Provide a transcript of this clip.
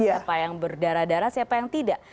siapa yang berdarah darah siapa yang tidak